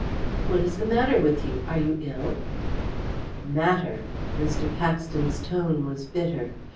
"What is the matter with you? Are you ill?" "Matter!" Mr. Paxton's tone was bitter.